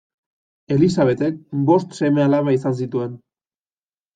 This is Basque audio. Elisabetek bost seme-alaba izan zituen.